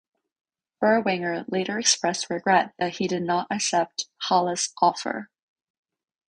Berwanger later expressed regret that he did not accept Halas' offer.